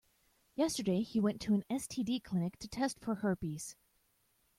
Yesterday, he went to an STD clinic to test for herpes.